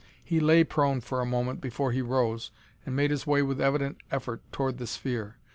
He lay prone for a moment before he rose and made his way with evident effort toward the sphere.